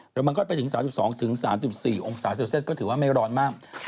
เดี๋ยวมันก็ไปถึง๓๒๓๔องศาเซลเซียตก็ถือว่าไม่ร้อนมาก